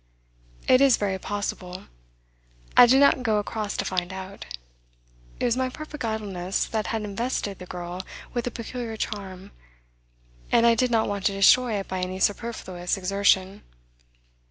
It is very possible. I did not go across to find out. It was my perfect idleness that had invested the girl with a peculiar charm, and I did not want to destroy it by any superfluous exertion.